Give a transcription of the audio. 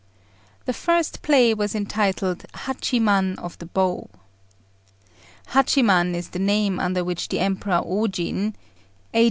The first play was entitled Hachiman of the Bow. Hachiman is the name under which the Emperor Ojin (A.